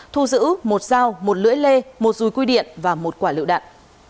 thu giữ một dao một lưỡi lê một rùi quy điện và một quả lựu đạn